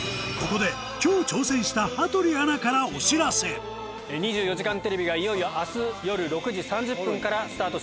ここで『２４時間テレビ』がいよいよ明日夜６時３０分からスタートします。